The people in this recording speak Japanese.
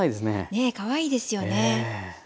ねえかわいいですよね。